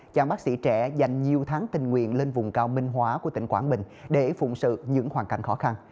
chào bác sĩ trẻ dành nhiều tháng tình nguyện lên vùng cao minh hóa của tỉnh quảng bình để phụng sự những hoàn cảnh khó khăn